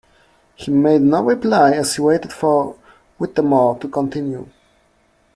He made no reply as he waited for Whittemore to continue.